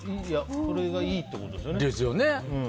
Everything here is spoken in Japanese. それがいいってことですよね。